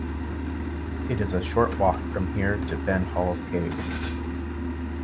It is a short walk from here to Ben Halls Cave.